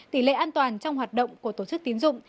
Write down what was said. tỷ lệ an toàn trong hoạt động của tổ chức tín dụng